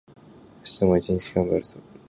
明日も一日がんばるぞ